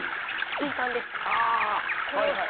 水管です。